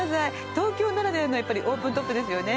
東京ならではのオープントップですよね